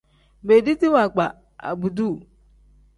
Beediti waagba abduu.